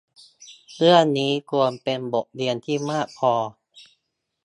เรื่องนี้ควรเป็นบทเรียนที่มากพอ